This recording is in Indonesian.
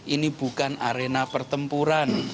ini bukan arena pertempuran